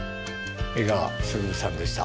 江川卓さんでした。